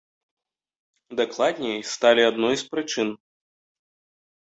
Дакладней, сталі адной з прычын.